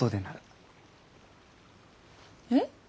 えっ？